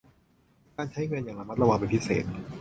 การใช้เงินอย่างระมัดระวังเป็นพิเศษ